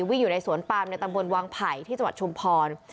วิ่งอยู่ในสวนปามในตำบลวังไผ่ที่จังหวัดชุมพร